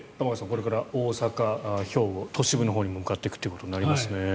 これから大阪、兵庫都市部のほうにも向かっていくということにもなりますね。